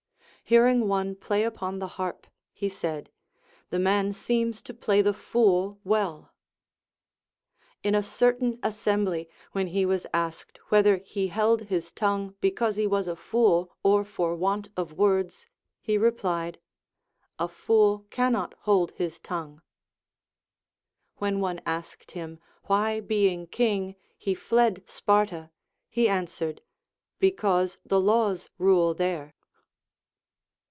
Hearing one play upon the harp, he said. The man seems to play the fool ^velL In a certain assembly, when he was asked whether he held his tongue because he was a fool or for want of words, he replied, A fool cannot hold his tongue. When one asked him why being king he fled Sparta, he answered. Because the laws rule there.